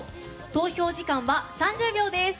投票時間は３０秒です。